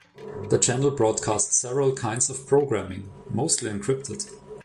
The channel broadcasts several kinds of programming, mostly encrypted.